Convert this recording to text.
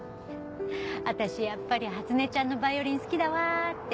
私やっぱり初音ちゃんのヴァイオリン好きだわって。